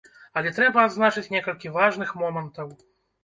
Але трэба адзначыць некалькі важных момантаў.